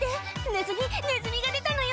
ネズミネズミが出たのよ」